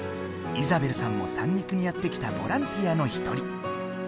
イザベルさんも三陸にやって来たボランティアの一人。